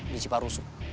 di cipa rusuk